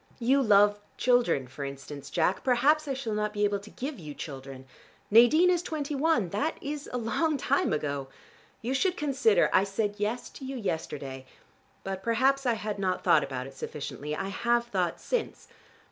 You love children, for instance, Jack. Perhaps I shall not be able to give you children. Nadine is twenty one. That is a long time ago. You should consider. I said 'yes' to you yesterday, but perhaps I had not thought about it sufficiently. I have thought since.